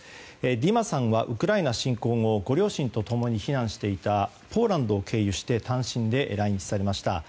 ディマさんはウクライナ侵攻後ご両親と共に避難していたポーランドを経由して単身で来日されました。